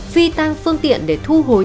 phi tăng phương tiện để thu hồi